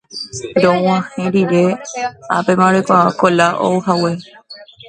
Rog̃uahẽ rire ápema roikuaa Kola ouhague.